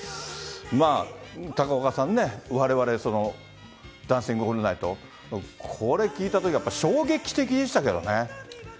まあ、高岡さんね、われわれダンシング・オールナイト、これ聴いたときはやっぱ衝撃的でしたけどね。